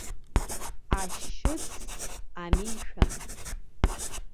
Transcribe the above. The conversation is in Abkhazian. Ашьыц-амишәан.